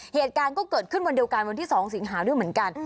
เหตุการณ์ก็เกิดขึ้นวันเดียวกันวันที่๒สิงหาด้วยเหมือนกัน